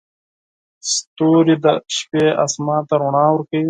ستوري د شپې اسمان ته رڼا ورکوي.